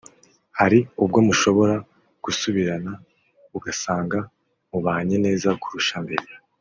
Hari ubwo mushobora gusubirana ugasanga mubanye neza kurusha mbere